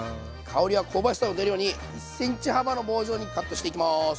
香りや香ばしさを出るように１ｃｍ幅の棒状にカットしていきます。